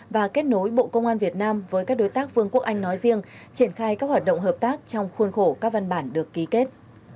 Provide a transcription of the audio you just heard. và kết nối bộ công an việt nam với các đối tác vương quốc anh nói riêng triển khai các hoạt động hợp tác trong khuôn khổ các văn bản được ký kết